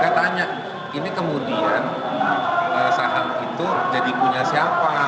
katanya ini kemudian saham itu jadi punya siapa